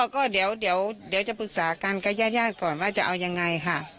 ก็เดี๋ยวจะปรึกษากันกับญาติก่อนว่าจะเอายังไงค่ะ